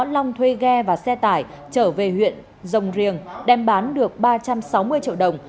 long thuê ghe và xe tải trở về huyện rồng riềng đem bán được ba trăm sáu mươi triệu đồng